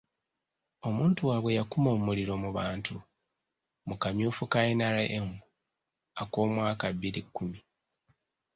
Omuntu waabwe yakuma omuliro mu bantu mu kamyufu ka NRM ak'omwaka bbiri kkumi.